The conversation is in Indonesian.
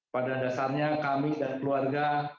pada dasarnya kami dan keluarga